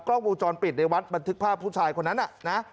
กล้องวงจรปิดในวัดบันทึกภาพผู้ชายคนนั้นน่ะนะ